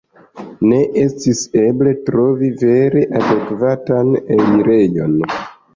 Ne estis eble trovi vere adekvatan elirejon.